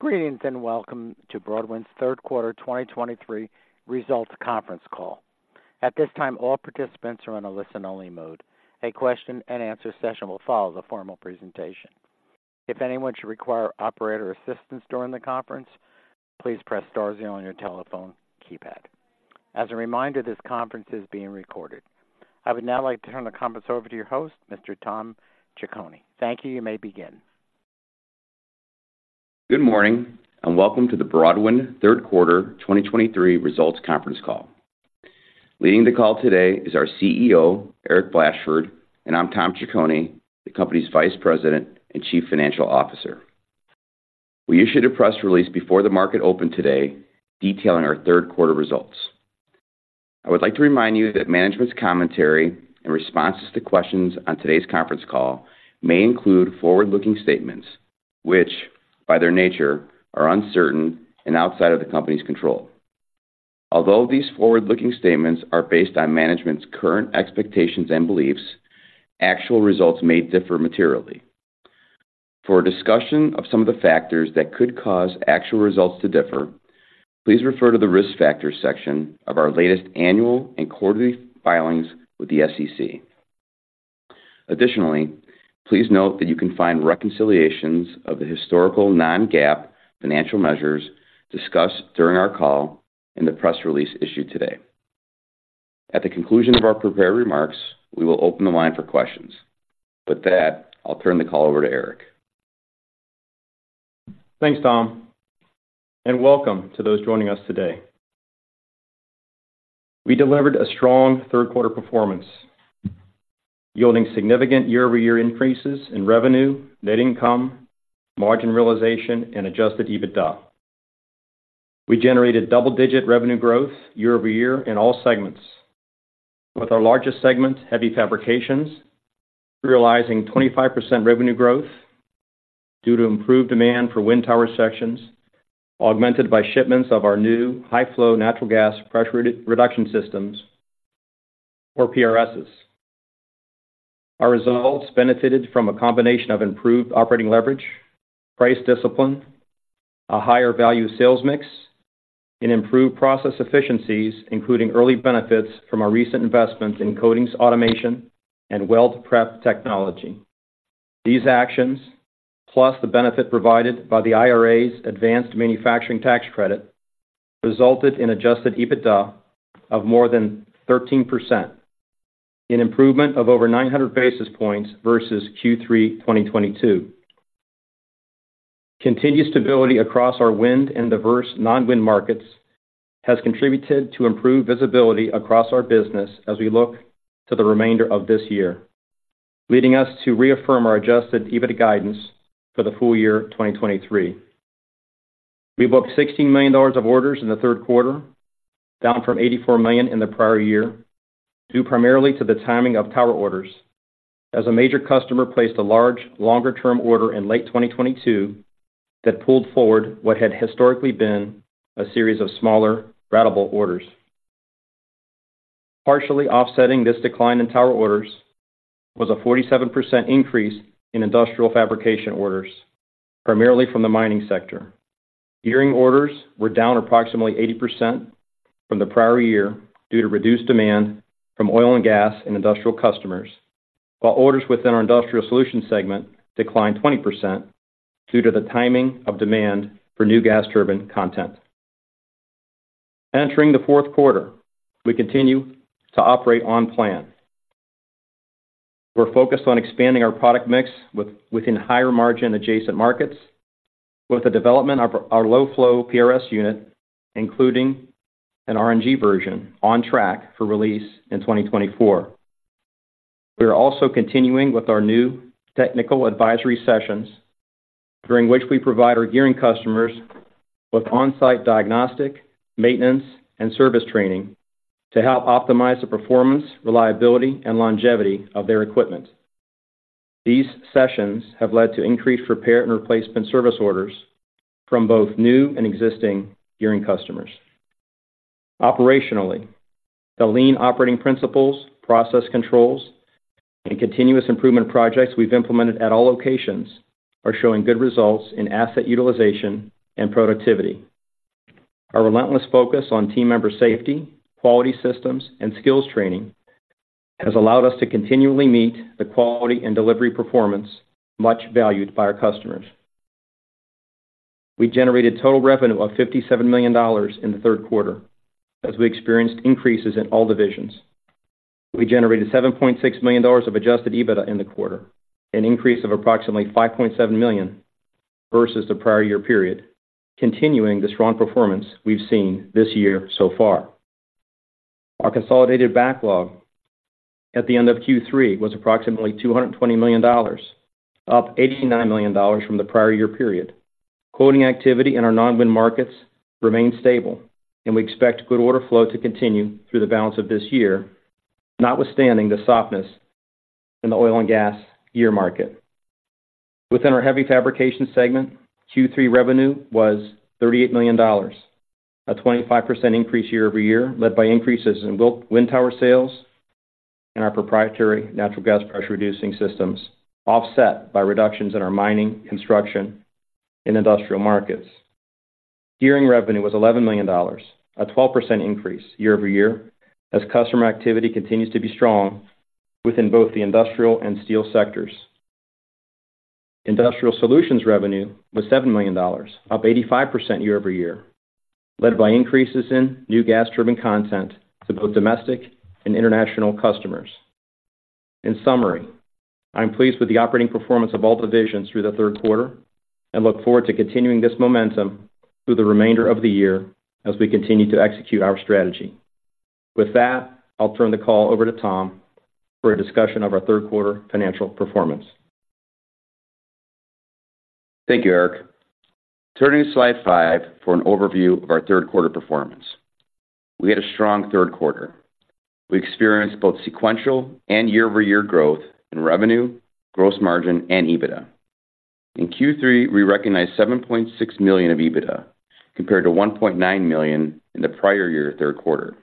Greetings, and welcome to Broadwind's third quarter 2023 results conference call. At this time, all participants are in a listen-only mode. A question-and-answer session will follow the formal presentation. If anyone should require operator assistance during the conference, please press star zero on your telephone keypad. As a reminder, this conference is being recorded. I would now like to turn the conference over to your host, Mr. Tom Ciccone. Thank you. You may begin. Good morning, and welcome to the Broadwind third quarter 2023 results conference call. Leading the call today is our CEO, Eric Blashford, and I'm Tom Ciccone, the company's Vice President and Chief Financial Officer. We issued a press release before the market opened today, detailing our third quarter results. I would like to remind you that management's commentary and responses to questions on today's conference call may include forward-looking statements, which, by their nature, are uncertain and outside of the company's control. Although these forward-looking statements are based on management's current expectations and beliefs, actual results may differ materially. For a discussion of some of the factors that could cause actual results to differ, please refer to the Risk Factors section of our latest annual and quarterly filings with the SEC. Additionally, please note that you can find reconciliations of the historical non-GAAP financial measures discussed during our call in the press release issued today. At the conclusion of our prepared remarks, we will open the line for questions. With that, I'll turn the call over to Eric. Thanks, Tom, and welcome to those joining us today. We delivered a strong third quarter performance, yielding significant year-over-year increases in revenue, net income, margin realization, and adjusted EBITDA. We generated double-digit revenue growth year over year in all segments, with our largest segment, heavy fabrications, realizing 25% revenue growth due to improved demand for wind tower sections, augmented by shipments of our new high-flow natural gas pressure reduction systems, or PRSs. Our results benefited from a combination of improved operating leverage, price discipline, a higher value sales mix, and improved process efficiencies, including early benefits from our recent investments in coatings, automation, and weld prep technology. These actions, plus the benefit provided by the IRA's Advanced Manufacturing Tax Credit, resulted in adjusted EBITDA of more than 13%, an improvement of over 900 basis points versus Q3 2022. Continued stability across our wind and diverse non-wind markets has contributed to improved visibility across our business as we look to the remainder of this year, leading us to reaffirm our Adjusted EBITDA guidance for the full year 2023. We booked $16 million of orders in the third quarter, down from $84 million in the prior year, due primarily to the timing of tower orders, as a major customer placed a large, longer-term order in late 2022 that pulled forward what had historically been a series of smaller, ratable orders. Partially offsetting this decline in tower orders was a 47% increase in industrial fabrication orders, primarily from the mining sector. Gearing orders were down approximately 80% from the prior year due to reduced demand from oil and gas and industrial customers, while orders within our industrial solutions segment declined 20% due to the timing of demand for new gas turbine content. Entering the fourth quarter, we continue to operate on plan. We're focused on expanding our product mix within higher-margin adjacent markets, with the development of our low-flow PRS unit, including an RNG version, on track for release in 2024. We are also continuing with our new technical advisory sessions, during which we provide our gearing customers with on-site diagnostic, maintenance, and service training to help optimize the performance, reliability, and longevity of their equipment. These sessions have led to increased repair and replacement service orders from both new and existing gearing customers. Operationally, the lean operating principles, process controls, and continuous improvement projects we've implemented at all locations are showing good results in asset utilization and productivity. Our relentless focus on team member safety, quality systems, and skills training has allowed us to continually meet the quality and delivery performance much valued by our customers. We generated total revenue of $57 million in the third quarter, as we experienced increases in all divisions. We generated $7.6 million of Adjusted EBITDA in the quarter, an increase of approximately $5.7 million versus the prior year period, continuing the strong performance we've seen this year so far. Our consolidated backlog at the end of Q3 was approximately $220 million, up $89 million from the prior year period. Quoting activity in our non-wind markets remains stable, and we expect good order flow to continue through the balance of this year, notwithstanding the softness in the oil and gas gear market. Within our heavy fabrication segment, Q3 revenue was $38 million, a 25% increase year-over-year, led by increases in wind tower sales and our proprietary natural gas pressure-reducing systems, offset by reductions in our mining, construction, and industrial markets. Gearing revenue was $11 million, a 12% increase year-over-year, as customer activity continues to be strong within both the industrial and steel sectors. Industrial solutions revenue was $7 million, up 85% year-over-year, led by increases in new gas turbine content to both domestic and international customers. In summary, I'm pleased with the operating performance of all divisions through the third quarter and look forward to continuing this momentum through the remainder of the year as we continue to execute our strategy. With that, I'll turn the call over to Tom for a discussion of our third quarter financial performance. Thank you, Eric. Turning to slide 5 for an overview of our third quarter performance. We had a strong third quarter. We experienced both sequential and year-over-year growth in revenue, gross margin, and EBITDA. In Q3, we recognized $7.6 million of EBITDA, compared to $1.9 million in the prior year third quarter.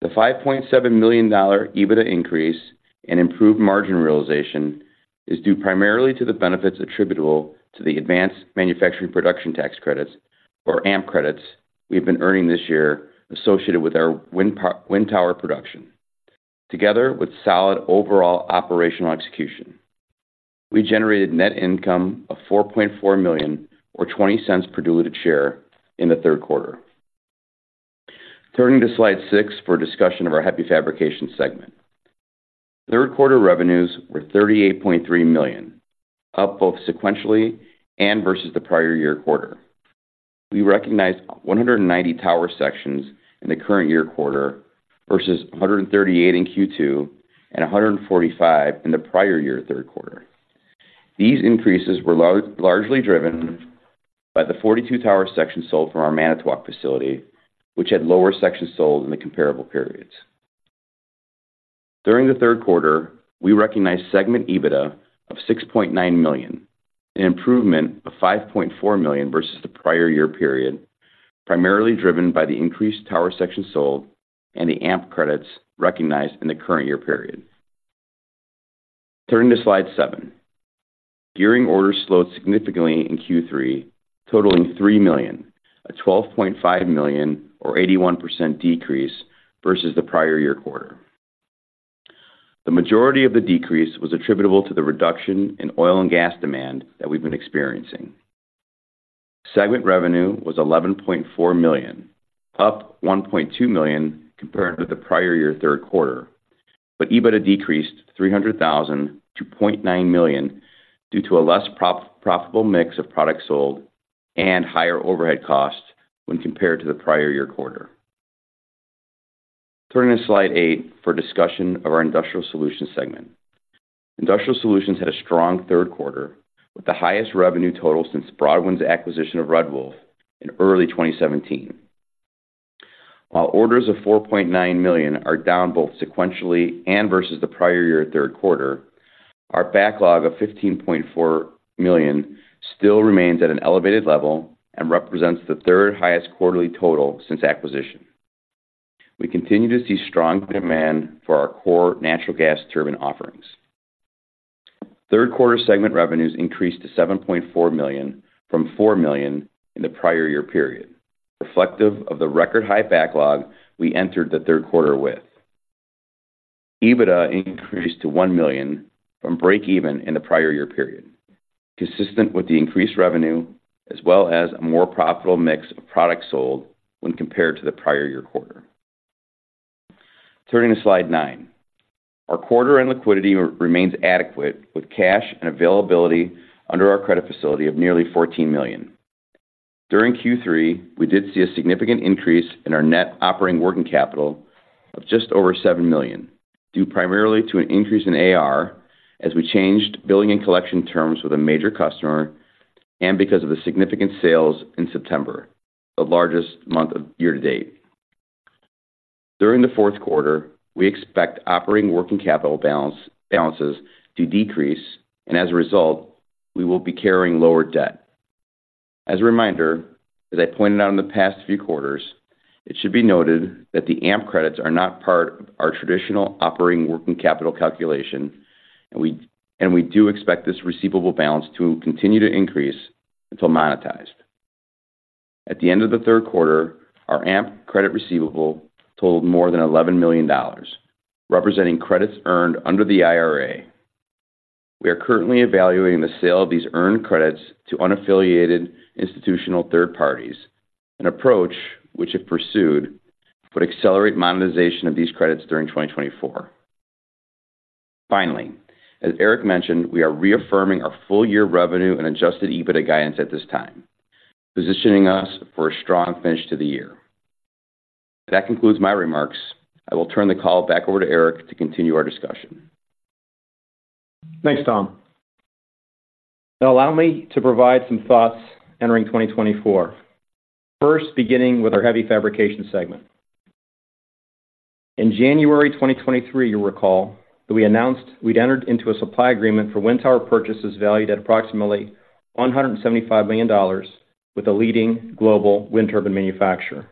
The $5.7 million EBITDA increase and improved margin realization is due primarily to the benefits attributable to the advanced manufacturing production tax credits, or AMP credits, we've been earning this year associated with our wind tower production, together with solid overall operational execution. We generated net income of $4.4 million, or $0.20 per diluted share in the third quarter. Turning to slide 6 for a discussion of our heavy fabrication segment. Third quarter revenues were $38.3 million, up both sequentially and versus the prior year quarter. We recognized 190 tower sections in the current year quarter versus 138 in Q2 and 145 in the prior year third quarter. These increases were largely driven by the 42 tower sections sold from our Manitowoc facility, which had lower sections sold in the comparable periods. During the third quarter, we recognized segment EBITDA of $6.9 million, an improvement of $5.4 million versus the prior year period, primarily driven by the increased tower sections sold and the AMP credits recognized in the current year period. Turning to slide seven. Gearing orders slowed significantly in Q3, totaling $3 million, a $12.5 million, or 81% decrease versus the prior year quarter. The majority of the decrease was attributable to the reduction in oil and gas demand that we've been experiencing. Segment revenue was $11.4 million, up $1.2 million compared with the prior year third quarter, but EBITDA decreased $300,000-$0.9 million due to a less profitable mix of products sold and higher overhead costs when compared to the prior year quarter. Turning to slide 8 for a discussion of our industrial solutions segment. Industrial solutions had a strong third quarter, with the highest revenue total since Broadwind's acquisition of Red Wolf in early 2017. While orders of $4.9 million are down both sequentially and versus the prior year third quarter, our backlog of $15.4 million still remains at an elevated level and represents the third highest quarterly total since acquisition. We continue to see strong demand for our core natural gas turbine offerings. Third quarter segment revenues increased to $7.4 million from $4 million in the prior year period, reflective of the record-high backlog we entered the third quarter with. EBITDA increased to $1 million from breakeven in the prior year period, consistent with the increased revenue, as well as a more profitable mix of products sold when compared to the prior year quarter. Turning to slide 9. Our quarter-end liquidity remains adequate, with cash and availability under our credit facility of nearly $14 million. During Q3, we did see a significant increase in our net operating working capital of just over $7 million, due primarily to an increase in AR, as we changed billing and collection terms with a major customer and because of the significant sales in September, the largest month of year to date. During the fourth quarter, we expect operating working capital balances to decrease, and as a result, we will be carrying lower debt. As a reminder, as I pointed out in the past few quarters, it should be noted that the AMP credits are not part of our traditional operating working capital calculation, and we do expect this receivable balance to continue to increase until monetized. At the end of the third quarter, our AMP credit receivable totaled more than $11 million, representing credits earned under the IRA. We are currently evaluating the sale of these earned credits to unaffiliated institutional third parties, an approach which, if pursued, would accelerate monetization of these credits during 2024. Finally, as Eric mentioned, we are reaffirming our full-year revenue and Adjusted EBITDA guidance at this time, positioning us for a strong finish to the year. That concludes my remarks. I will turn the call back over to Eric to continue our discussion. Thanks, Tom. Now allow me to provide some thoughts entering 2024. First, beginning with our heavy fabrication segment. In January 2023, you'll recall that we announced we'd entered into a supply agreement for wind tower purchases valued at approximately $175 million with a leading global wind turbine manufacturer.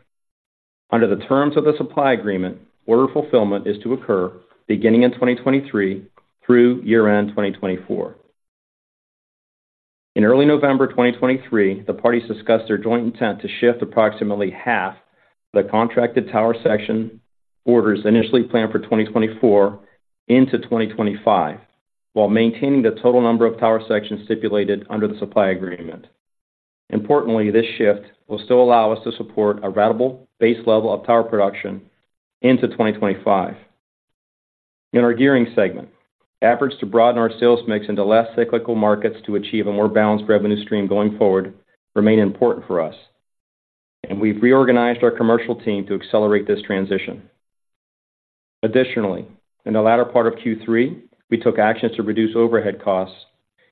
Under the terms of the supply agreement, order fulfillment is to occur beginning in 2023 through year-end 2024. In early November 2023, the parties discussed their joint intent to shift approximately half of the contracted tower section orders initially planned for 2024 into 2025, while maintaining the total number of tower sections stipulated under the supply agreement. Importantly, this shift will still allow us to support a ratable base level of tower production into 2025. In our gearing segment, efforts to broaden our sales mix into less cyclical markets to achieve a more balanced revenue stream going forward remain important for us, and we've reorganized our commercial team to accelerate this transition. Additionally, in the latter part of Q3, we took actions to reduce overhead costs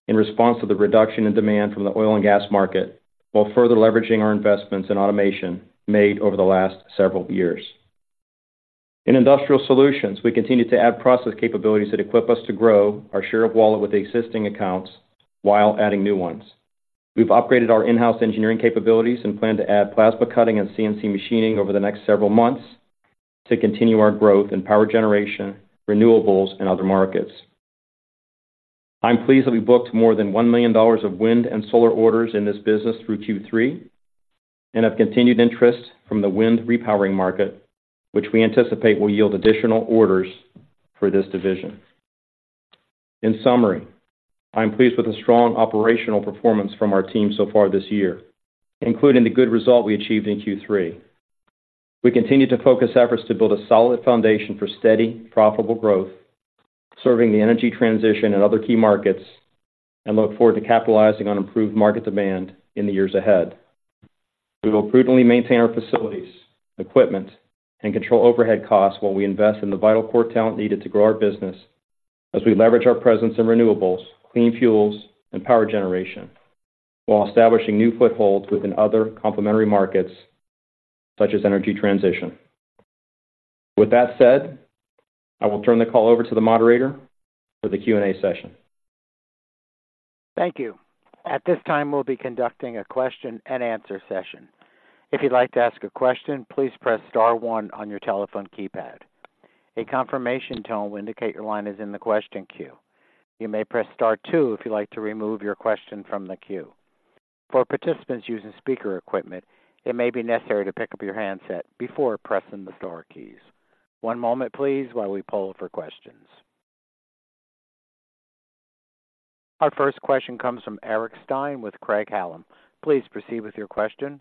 in response to the reduction in demand from the oil and gas market, while further leveraging our investments in automation made over the last several years. In industrial solutions, we continued to add process capabilities that equip us to grow our share of wallet with existing accounts while adding new ones. We've upgraded our in-house engineering capabilities and plan to add plasma cutting and CNC machining over the next several months to continue our growth in power generation, renewables, and other markets. I'm pleased that we booked more than $1 million of wind and solar orders in this business through Q3, and have continued interest from the wind repowering market, which we anticipate will yield additional orders for this division. In summary, I'm pleased with the strong operational performance from our team so far this year, including the good result we achieved in Q3. We continue to focus efforts to build a solid foundation for steady, profitable growth, serving the energy transition and other key markets, and look forward to capitalizing on improved market demand in the years ahead. We will prudently maintain our facilities, equipment, and control overhead costs while we invest in the vital core talent needed to grow our business as we leverage our presence in renewables, clean fuels, and power generation, while establishing new footholds within other complementary markets, such as energy transition. With that said, I will turn the call over to the moderator for the Q&A session. Thank you. At this time, we'll be conducting a question-and-answer session. If you'd like to ask a question, please press star one on your telephone keypad. A confirmation tone will indicate your line is in the question queue. You may press star two if you'd like to remove your question from the queue. For participants using speaker equipment, it may be necessary to pick up your handset before pressing the star keys. One moment please, while we poll for questions. Our first question comes from Eric Stine with Craig-Hallum. Please proceed with your question.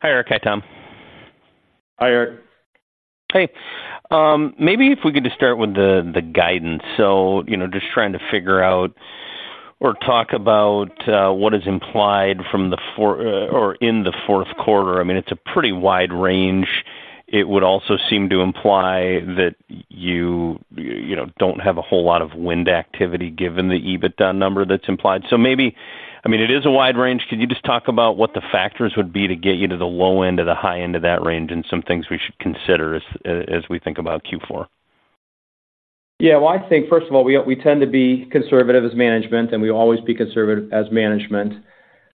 Hi, Eric. Hi, Tom. Hi, Eric. Hey, maybe if we could just start with the guidance. So, you know, just trying to figure out or talk about what is implied from the fourth quarter. I mean, it's a pretty wide range. It would also seem to imply that you know don't have a whole lot of wind activity, given the EBITDA number that's implied. So maybe... I mean, it is a wide range. Could you just talk about what the factors would be to get you to the low end or the high end of that range, and some things we should consider as we think about Q4? Yeah, well, I think, first of all, we, we tend to be conservative as management, and we always be conservative as management.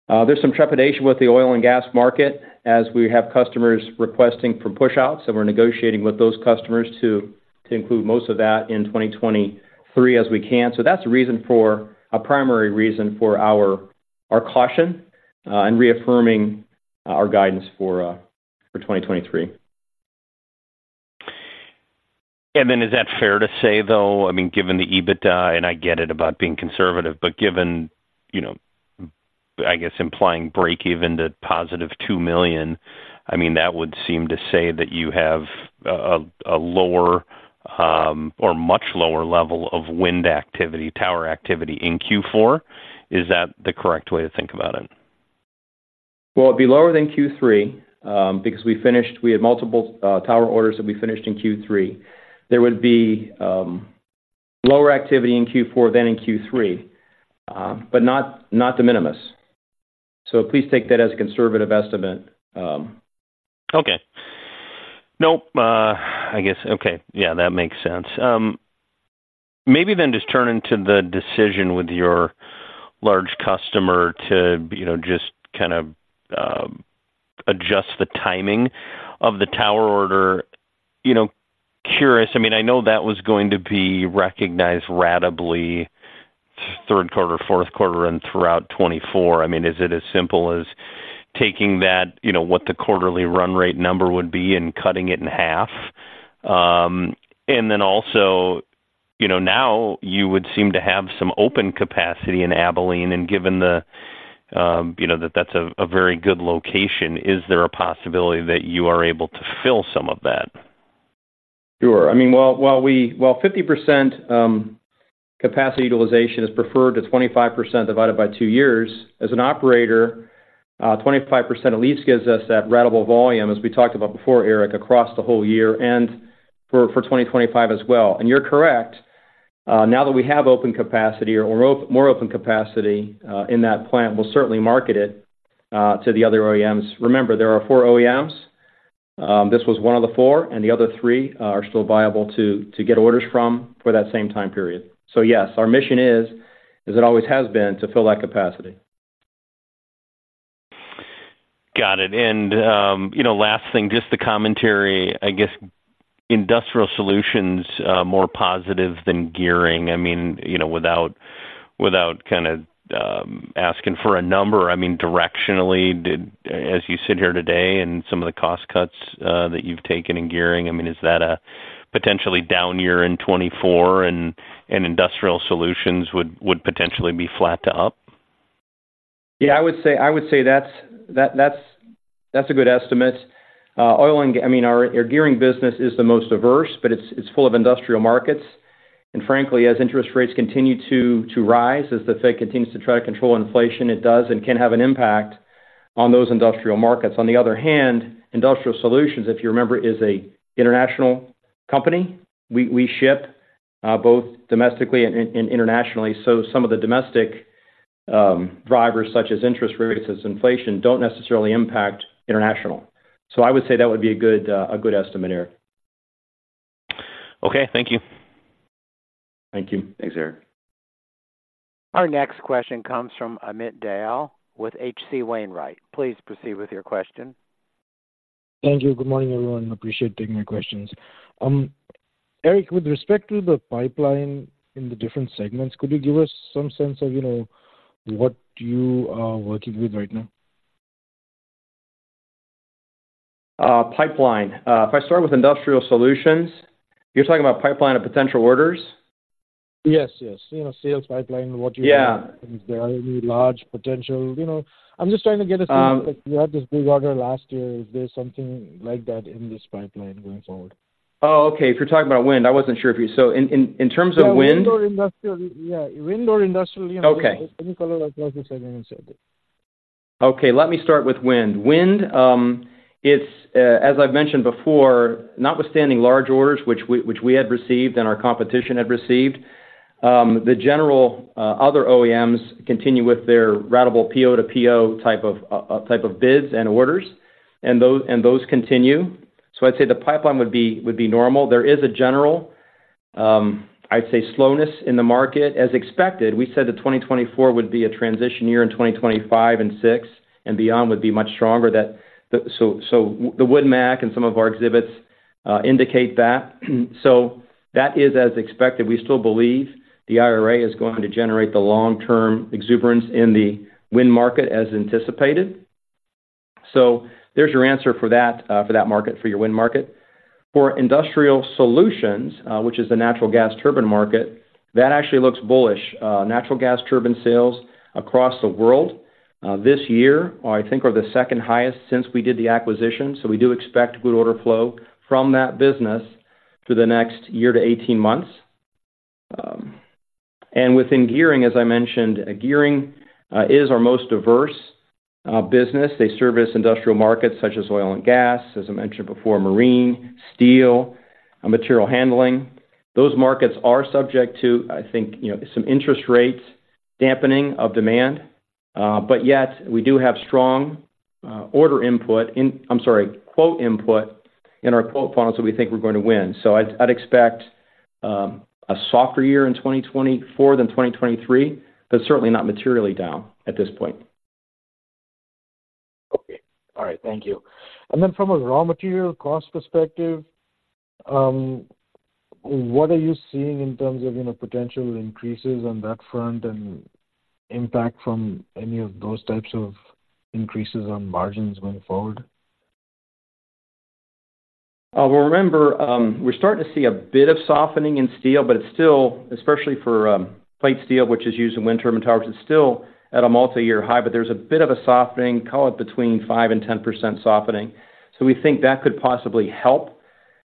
There's some trepidation with the oil and gas market as we have customers requesting for pushouts, so we're negotiating with those customers to, to include most of that in 2023 as we can. So that's the reason for, a primary reason for our, our caution, and reaffirming our guidance for, for 2023. Then is that fair to say, though? I mean, given the EBITDA, and I get it about being conservative, but given, you know, I guess implying break-even to positive $2 million, I mean, that would seem to say that you have a lower or much lower level of wind activity, tower activity in Q4. Is that the correct way to think about it? Well, it'd be lower than Q3, because we finished—we had multiple tower orders that we finished in Q3. There would be lower activity in Q4 than in Q3, but not, not de minimis. So please take that as a conservative estimate. Okay. Nope, I guess okay. Yeah, that makes sense. Maybe then just turning to the decision with your large customer to, you know, just kind of, adjust the timing of the tower order. You know, curious, I mean, I know that was going to be recognized ratably, third quarter, fourth quarter, and throughout 2024. I mean, is it as simple as taking that, you know, what the quarterly run rate number would be and cutting it in half? And then also, you know, now you would seem to have some open capacity in Abilene, and given the, you know, that that's a very good location, is there a possibility that you are able to fill some of that? Sure. I mean, while 50% capacity utilization is preferred to 25% divided by two years, as an operator, 25% at least gives us that ratable volume, as we talked about before, Eric, across the whole year and for 2025 as well. And you're correct. Now that we have open capacity or more open capacity in that plant, we'll certainly market it to the other OEMs. Remember, there are four OEMs. This was one of the four, and the other three are still viable to get orders from for that same time period. So yes, our mission is, as it always has been, to fill that capacity. Got it. And, you know, last thing, just the commentary. I guess, industrial solutions more positive than gearing. I mean, you know, without kind of asking for a number, I mean, directionally, did, as you sit here today and some of the cost cuts that you've taken in gearing, I mean, is that a potentially down year in 2024 and industrial solutions would potentially be flat to up? Yeah, I would say that's a good estimate. Oil and, I mean, our gearing business is the most diverse, but it's full of industrial markets. And frankly, as interest rates continue to rise, as the Fed continues to try to control inflation, it does and can have an impact on those industrial markets. On the other hand, industrial solutions, if you remember, is a international company. We ship both domestically and internationally. So some of the domestic drivers, such as interest rates, as inflation, don't necessarily impact international. So I would say that would be a good estimate, Eric. Okay, thank you. Thank you. Thanks, Eric. Our next question comes from Amit Dayal with H.C. Wainwright. Please proceed with your question. Thank you. Good morning, everyone. Appreciate taking my questions. Eric, with respect to the pipeline in the different segments, could you give us some sense of, you know, what you are working with right now? Pipeline. If I start with industrial solutions, you're talking about pipeline of potential orders? Yes, yes. You know, sales pipeline, what you- Yeah. Is there any large potential? You know, I'm just trying to get a sense of, you had this big order last year. Is there something like that in this pipeline going forward? Oh, okay. If you're talking about wind, I wasn't sure if you... So in terms of wind? Yeah, wind or industrial. Yeah, wind or industrial. Okay. Any color across the segment? Okay, let me start with wind. Wind, it's, as I've mentioned before, notwithstanding large orders, which we had received and our competition had received, the general other OEMs continue with their ratable PO-to-PO type of bids and orders, and those continue. So I'd say the pipeline would be normal. There is a general, I'd say, slowness in the market as expected. We said that 2024 would be a transition year, and 2025 and 2026 and beyond would be much stronger. That. So the Wood Mac and some of our exhibits indicate that. So that is as expected. We still believe the IRA is going to generate the long-term exuberance in the wind market as anticipated. So there's your answer for that, for that market, for your wind market. For industrial solutions, which is the natural gas turbine market, that actually looks bullish. Natural gas turbine sales across the world, this year, I think, are the second highest since we did the acquisition. So we do expect good order flow from that business for the next year to 18 months. And within gearing, as I mentioned, gearing is our most diverse business. They service industrial markets such as oil and gas, as I mentioned before, marine, steel, and material handling. Those markets are subject to, I think, you know, some interest rates, dampening of demand, but yet we do have strong quote input in our quote funnels that we think we're going to win. So I'd expect a softer year in 2024 than 2023, but certainly not materially down at this point. Okay. All right, thank you. And then from a raw material cost perspective, what are you seeing in terms of, you know, potential increases on that front and impact from any of those types of increases on margins going forward? Well, remember, we're starting to see a bit of softening in steel, but it's still, especially for, plate steel, which is used in wind turbine towers, it's still at a multi-year high, but there's a bit of a softening, call it between 5 and 10% softening. So we think that could possibly help,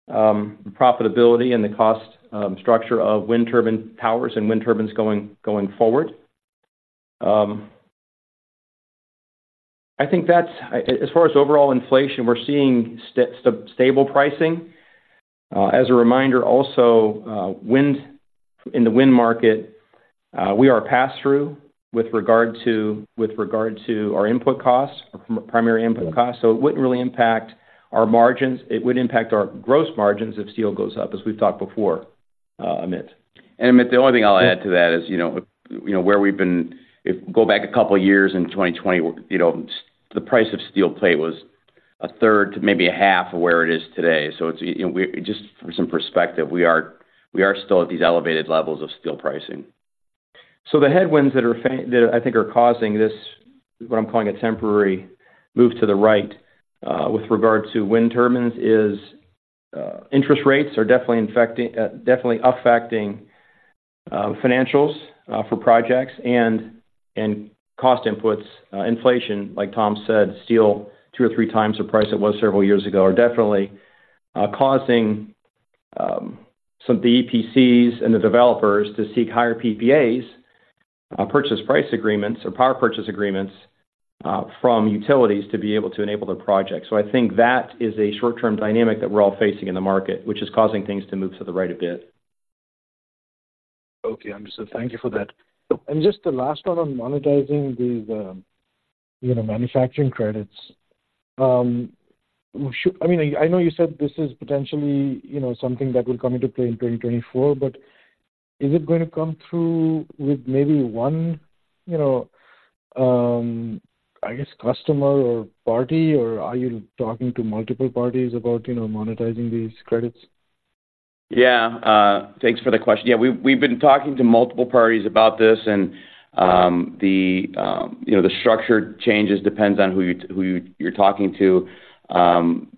profitability and the cost structure of wind turbine towers and wind turbines going forward. I think that's. As far as overall inflation, we're seeing stable pricing. As a reminder, also, in the wind market, we are pass-through with regard to, with regard to our input costs, primary input costs, so it wouldn't really impact our margins. It would impact our gross margins if steel goes up, as we've talked before, Amit. Amit, the only thing I'll add to that is, you know, you know, where we've been, if go back a couple of years in 2020, you know, the price of steel plate was a third to maybe a half of where it is today. It's, you know, just for some perspective, we are, we are still at these elevated levels of steel pricing. So the headwinds that I think are causing this, what I'm calling a temporary move to the right, with regard to wind turbines, is, interest rates are definitely affecting financials for projects and cost inputs. Inflation, like Tom said, steel, two or three times the price it was several years ago, are definitely causing some of the EPCs and the developers to seek higher PPAs, purchase price agreements or power purchase agreements, from utilities to be able to enable the project. So I think that is a short-term dynamic that we're all facing in the market, which is causing things to move to the right a bit. Okay, understood. Thank you for that. And just the last one on monetizing these, you know, manufacturing credits. I mean, I know you said this is potentially, you know, something that will come into play in 2024, but is it going to come through with maybe one, you know, I guess, customer or party, or are you talking to multiple parties about, you know, monetizing these credits? Yeah, thanks for the question. Yeah, we've been talking to multiple parties about this, and you know, the structure changes depends on who you're talking to.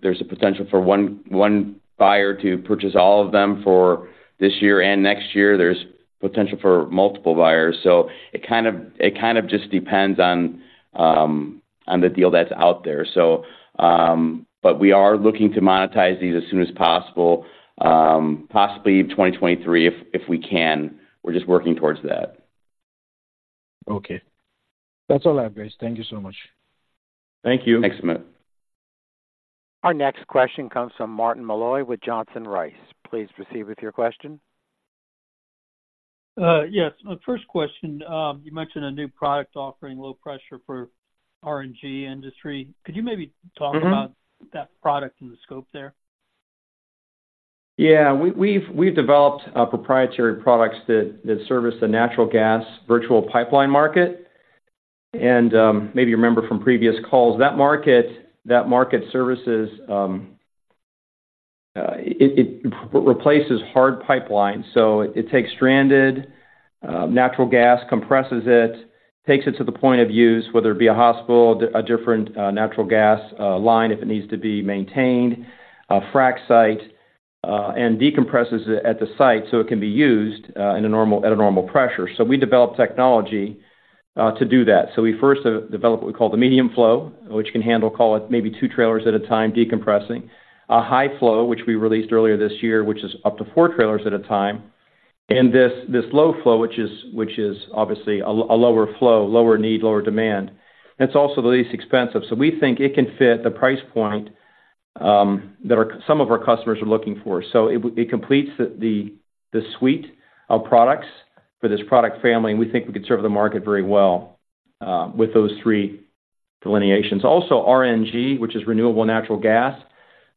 There's a potential for one buyer to purchase all of them for this year and next year. There's potential for multiple buyers. So it kind of just depends on the deal that's out there. So, but we are looking to monetize these as soon as possible, possibly 2023, if we can. We're just working towards that. Okay. That's all I have, guys. Thank you so much. Thank you. Thanks, Amit. Our next question comes from Martin Malloy with Johnson Rice. Please proceed with your question. Yes. My first question, you mentioned a new product offering low pressure for RNG industry. Could you maybe talk- Mm-hmm about that product and the scope there? Yeah, we've developed proprietary products that service the natural gas virtual pipeline market. And maybe you remember from previous calls, that market services it replaces hard pipeline. So it takes stranded natural gas, compresses it, takes it to the point of use, whether it be a hospital, a different natural gas line, if it needs to be maintained, a frack site, and decompresses it at the site, so it can be used in a normal at a normal pressure. So we develop technology to do that. So we first developed what we call the medium flow, which can handle, call it maybe 2 trailers at a time, decompressing. A high flow, which we released earlier this year, which is up to 4 trailers at a time. And this low flow, which is obviously a lower flow, lower need, lower demand, and it's also the least expensive. So we think it can fit the price point that some of our customers are looking for. So it completes the suite of products for this product family, and we think we could serve the market very well with those three delineations. Also, RNG, which is renewable natural gas,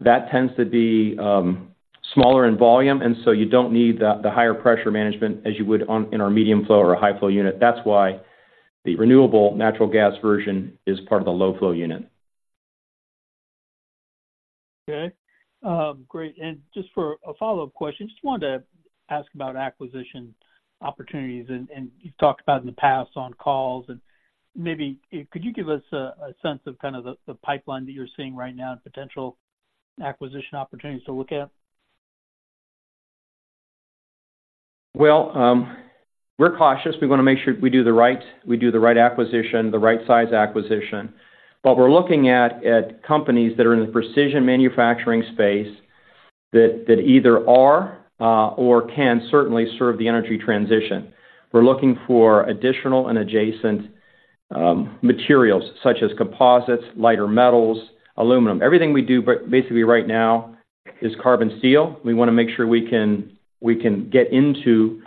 that tends to be smaller in volume, and so you don't need the higher pressure management as you would in our medium flow or a high flow unit. That's why the renewable natural gas version is part of the low flow unit. Okay. Great. Just for a follow-up question, just wanted to ask about acquisition opportunities. And you've talked about in the past on calls, and maybe could you give us a sense of kind of the pipeline that you're seeing right now and potential acquisition opportunities to look at? Well, we're cautious. We want to make sure we do the right acquisition, the right size acquisition. But we're looking at companies that are in the precision manufacturing space, that either are or can certainly serve the energy transition. We're looking for additional and adjacent materials such as composites, lighter metals, aluminum. Everything we do, but basically right now is carbon steel. We want to make sure we can get into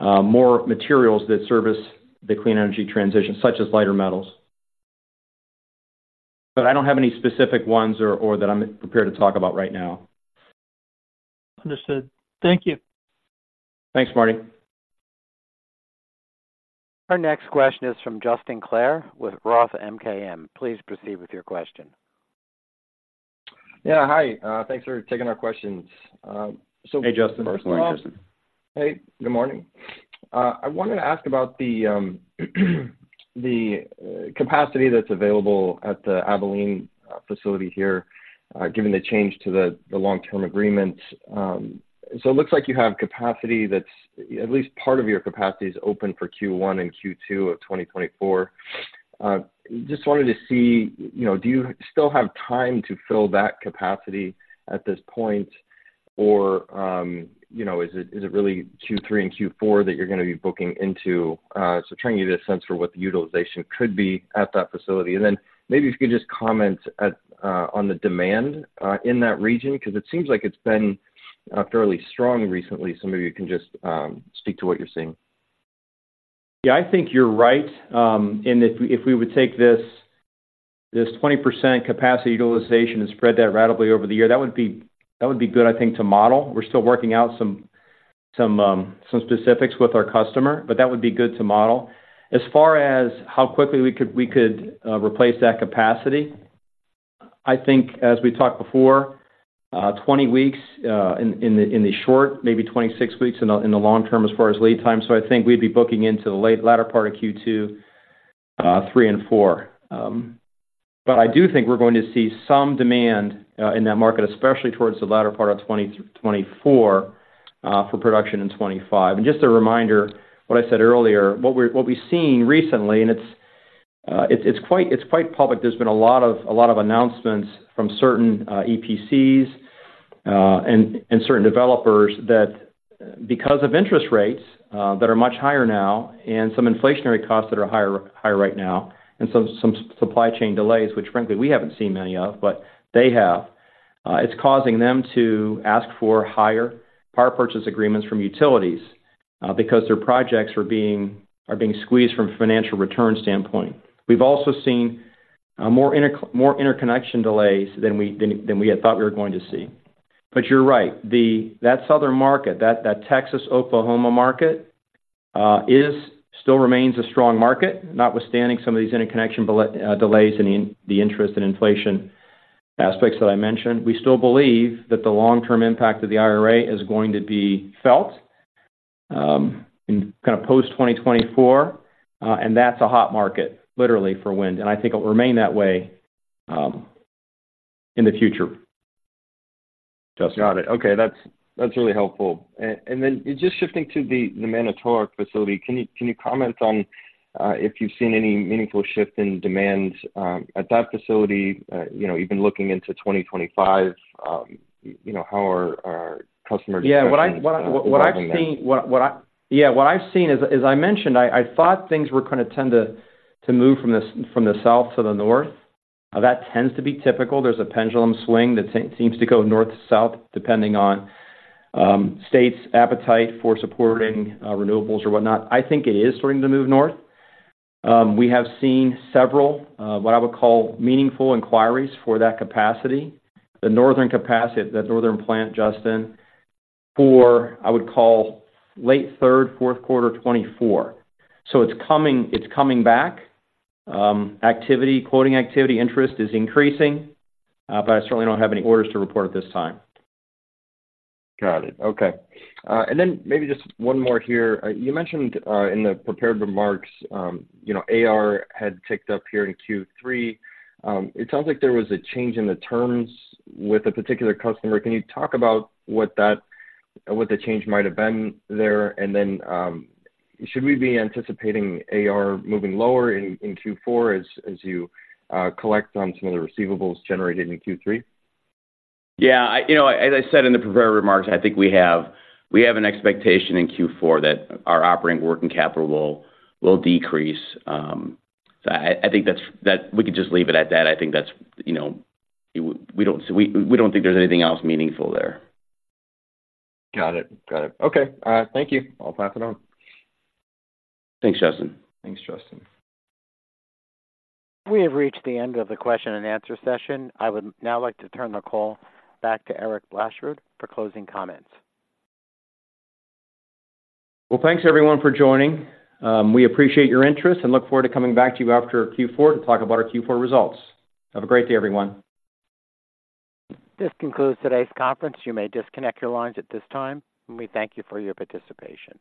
more materials that service the clean energy transition, such as lighter metals. But I don't have any specific ones or that I'm prepared to talk about right now. Understood. Thank you. Thanks, Marty. Our next question is from Justin Clare with Roth MKM. Please proceed with your question. Yeah, hi. Thanks for taking our questions. So- Hey, Justin. Hey, good morning. I wanted to ask about the capacity that's available at the Abilene facility here, given the change to the long-term agreements. So it looks like you have capacity that's... At least part of your capacity is open for Q1 and Q2 of 2024. Just wanted to see, you know, do you still have time to fill that capacity at this point? Or, you know, is it, is it really Q3 and Q4 that you're going to be booking into? So trying to get a sense for what the utilization could be at that facility. And then maybe if you could just comment at on the demand in that region, because it seems like it's been fairly strong recently. So maybe you can just speak to what you're seeing. Yeah, I think you're right. And if we would take this 20% capacity utilization and spread that ratably over the year, that would be good, I think, to model. We're still working out some specifics with our customer, but that would be good to model. As far as how quickly we could replace that capacity, I think as we talked before, 20 weeks in the short, maybe 26 weeks in the long term, as far as lead time. So I think we'd be booking into the latter part of Q2, 3 and 4. But I do think we're going to see some demand in that market, especially towards the latter part of 2024, for production in 2025. And just a reminder, what I said earlier, what we've seen recently, and it's quite public. There's been a lot of announcements from certain EPCs and certain developers that because of interest rates that are much higher now and some inflationary costs that are higher right now, and some supply chain delays, which frankly, we haven't seen many of, but they have, it's causing them to ask for higher power purchase agreements from utilities because their projects are being squeezed from a financial return standpoint. We've also seen more interconnection delays than we had thought we were going to see. But you're right, that southern market, that Texas-Oklahoma market, is still remains a strong market, notwithstanding some of these interconnection delays and the interest and inflation aspects that I mentioned. We still believe that the long-term impact of the IRA is going to be felt, in kind of post-2024, and that's a hot market, literally, for wind, and I think it will remain that way, in the future, Justin. Got it. Okay. That's, that's really helpful. And then just shifting to the Manitowoc facility, can you comment on if you've seen any meaningful shift in demand at that facility? You know, even looking into 2025, you know, how are our customers- Yeah, what I've seen is, as I mentioned, I thought things were gonna tend to move from the south to the north. That tends to be typical. There's a pendulum swing that seems to go north to south, depending on state's appetite for supporting renewables or whatnot. I think it is starting to move north. We have seen several what I would call meaningful inquiries for that capacity, the northern capacity, the northern plant, Justin, for late third, fourth quarter 2024. So it's coming, it's coming back. Activity, quoting activity interest is increasing, but I certainly don't have any orders to report at this time. Got it. Okay. And then maybe just one more here. You mentioned, in the prepared remarks, you know, AR had ticked up here in Q3. It sounds like there was a change in the terms with a particular customer. Can you talk about what that, what the change might have been there? And then, should we be anticipating AR moving lower in, in Q4 as, as you collect on some of the receivables generated in Q3? Yeah, you know, as I said in the prepared remarks, I think we have an expectation in Q4 that our operating working capital will decrease. I think that's that. We could just leave it at that. I think that's, you know, we don't think there's anything else meaningful there. Got it. Got it. Okay. All right. Thank you. I'll pass it on. Thanks, Justin. Thanks, Justin. We have reached the end of the question and answer session. I would now like to turn the call back to Eric Blashford for closing comments. Well, thanks everyone for joining. We appreciate your interest and look forward to coming back to you after Q4 to talk about our Q4 results. Have a great day, everyone. This concludes today's conference. You may disconnect your lines at this time, and we thank you for your participation.